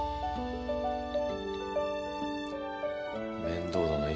面倒だな。